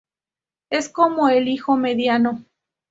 Es como el hijo mediano.